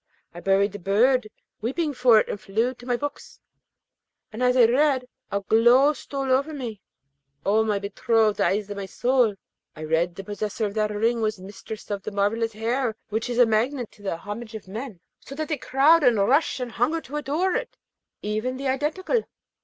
I buried the bird, weeping for it, and flew to my books, and as I read a glow stole over me. O my betrothed, eyes of my soul! I read that the possessor of that ring was mistress of the marvellous hair which is a magnet to the homage of men, so that they crowd and crush and hunger to adore it, even the Identical!